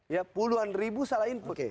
ya puluhan ribu salah input